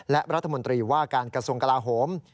และรัฐมนตรีว่าการกระทรวงกลาโหม